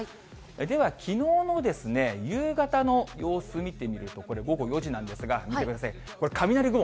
では、きのうのですね、夕方の様子、見てみると、これ、午後４時なんですが、見てください、これ、雷雲。